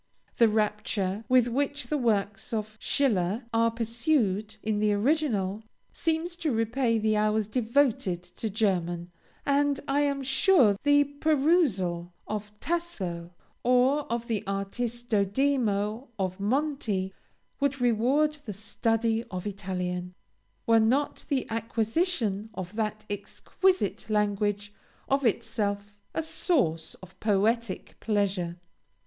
The rapture with which the works of Schiller are perused in the original, seems to repay the hours devoted to German; and I am sure the perusal of Tasso, or of the Aristodemo of Monti, would reward the study of Italian, were not the acquisition of that exquisite language of itself a source of poetic pleasure.